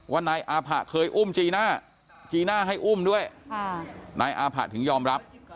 นายอาผะเคยอุ้มจีน่าจีน่าให้อุ้มด้วยนายอาผะถึงยอมรับ